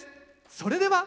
それでは。